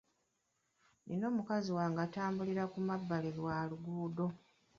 Nina mukazi wange atambulira ku mabbali wa luguudo.